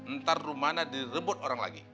ntar rumahnya direbut orang lagi